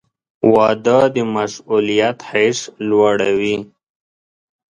• واده د مسؤلیت حس لوړوي.